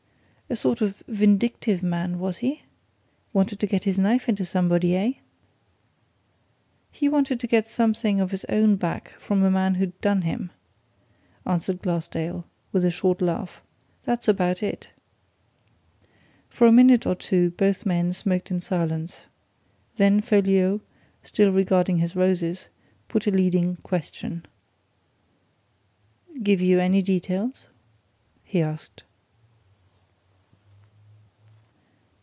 A sort of vindictive man, was he? Wanted to get his knife into somebody, eh?" "He wanted to get something of his own back from a man who'd done him," answered Glassdale, with a short laugh. "That's about it!" For a minute or two both men smoked in silence. Then Folliot still regarding his roses put a leading question. "Give you any details?" he asked.